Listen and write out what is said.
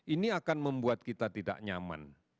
ini akan membuat kita tidak nyaman